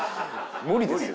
無理ですよ。